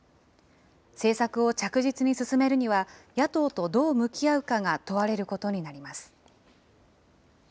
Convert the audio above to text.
政策を着実に進めるには、野党とどう向き合うかが問われることになります。